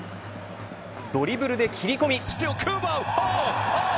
ドリブルで切り込み。